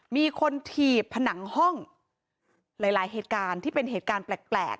มีคนถีบผนังห้องหลายหลายเหตุการณ์ที่เป็นเหตุการณ์แปลก